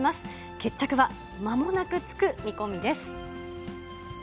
決着はまもなくつく見込みです。